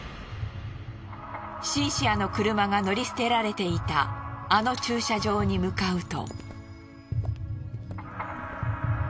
シンシアの車が乗り捨てられていたあの駐車場に向かうと。